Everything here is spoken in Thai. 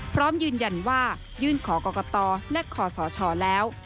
พร้อมยืนยันว่ายื่นขอกรกตและขอสชแล้ว